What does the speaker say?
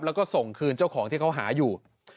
แล้วก็ส่งคืนเจ้าของที่เขาหาอยู่